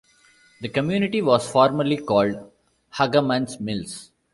The community was formerly called Hagamans Mills.